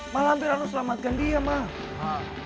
malah beranus selamatkan dia mak